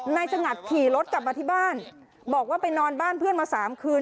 สงัดขี่รถกลับมาที่บ้านบอกว่าไปนอนบ้านเพื่อนมา๓คืน